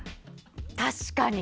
確かに。